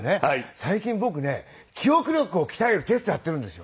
最近僕ね記憶力を鍛えるテストやってるんですよ。